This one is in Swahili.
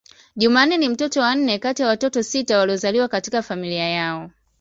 Jumanne ni mtoto wa nne kati ya watoto sita waliozaliwa katika familia yao.